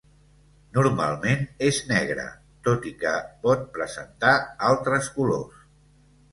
Normalment és negre, tot i que pot presentar altres colors.